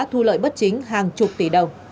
thu lợi bất chính hàng chục tỷ đồng